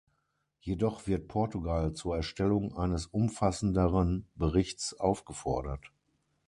Jedoch wird Portugal zur Erstellung eines umfassenderen Berichts aufgefordert.